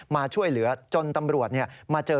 มาช่วยเหลือจนตำรวจมาเจอ